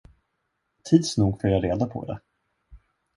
Tids nog får jag reda på det.